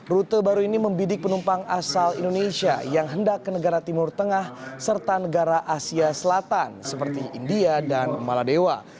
rute baru ini membidik penumpang asal indonesia yang hendak ke negara timur tengah serta negara asia selatan seperti india dan maladewa